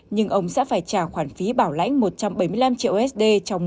nhưng ông sẽ phải trả khoản phí bảo lãnh một trăm bảy mươi năm triệu usd